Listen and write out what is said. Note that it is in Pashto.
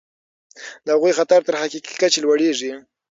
د هغوی خطر تر حقیقي کچې لوړیږي.